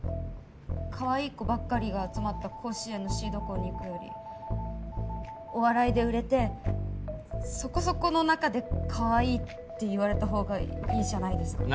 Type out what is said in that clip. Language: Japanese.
かわいい子ばっかりが集まった甲子園のシード校に行くよりお笑いで売れてそこそこの中でかわいいって言われたほうがいいじゃないですか。